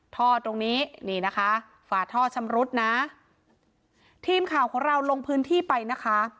ท่อตรงนี้นี่นะคะฝาท่อชำรุดนะทีมข่าวของเราลงพื้นที่ไปนะคะ